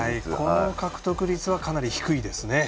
この獲得率はかなり低いですね。